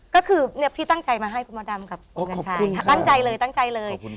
ก็คือพี่ตั้งใจมาให้คุณมะดำตั้งใจเลย